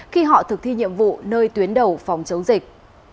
khi họ thực thi nhiệm vụ nơi tuyến đầu phòng chống dịch